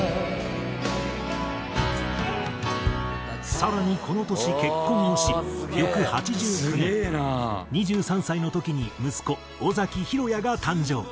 更にこの年結婚をし翌８９年２３歳の時に息子尾崎裕哉が誕生。